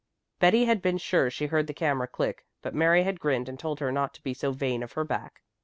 Betty had been sure she heard the camera click, but Mary had grinned and told her not to be so vain of her back.